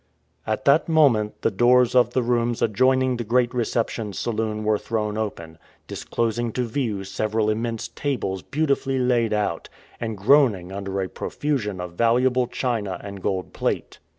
At that moment the doors of the rooms adjoining the great reception saloon were thrown open, disclosing to view several immense tables beautifully laid out, and groaning under a profusion of valuable china and gold plate.